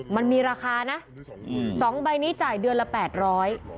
มันมีราคานะสองใบนี้จ่ายเดือนละแปดร้อย